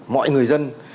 mọi người dân